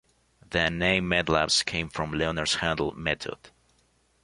The name Methlabs came from Leonard's handle, 'method'.